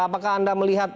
apakah anda melihat